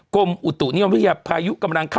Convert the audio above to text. โทษทีน้องโทษทีน้อง